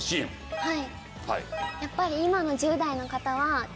はい。